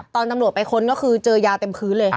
ตำรวจไปค้นก็คือเจอยาเต็มพื้นเลย